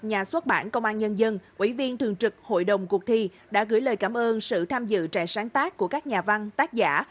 nhà xuất bản công an nhân dân ủy viên thường trực hội đồng cuộc thi đã gửi lời cảm ơn sự tham dự trại sáng tác của các nhà văn tác giả